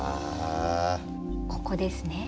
ここですね。